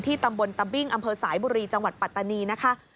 ตำบลตะบิ้งอำเภอสายบุรีจังหวัดปัตตานีนะคะ